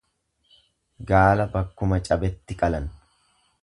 Gaala bakkuma.cabetti qalan.